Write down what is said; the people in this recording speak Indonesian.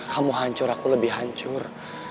kamu hancur aku lebih hancur